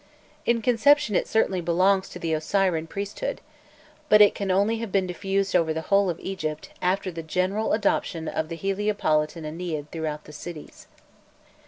In conception it certainly belongs to the Osirian priesthood, but it can only have been diffused over the whole of Egypt after the general adoption of the Heliopolitan Ennead throughout the cities.